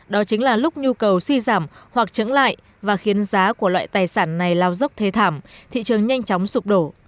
đó chính là lúc nhu cầu suy giảm hoặc trứng lại và khiến giá của loại tài sản này lao dốc thế thảm thị trường nhanh chóng sụp đổ